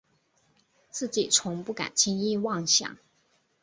自己从不敢轻易妄想